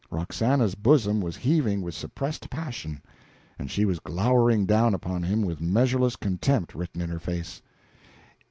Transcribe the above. Roxana's bosom was heaving with suppressed passion, and she was glowering down upon him with measureless contempt written in her face.